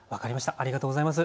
ありがとうございます。